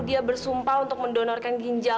dia bersumpah untuk mendonorkan ginjal